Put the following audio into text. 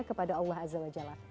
kepada allah azza wa jalla